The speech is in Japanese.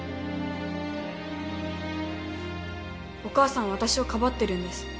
お母さん私をかばってるんです。